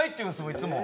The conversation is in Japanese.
いつも。